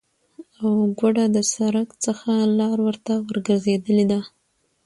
او گوډه د سرک څخه لار ورته ورگرځیدلې ده،